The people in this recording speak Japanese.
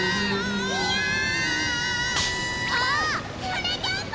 はなかっぱ！